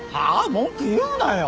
文句言うなよ。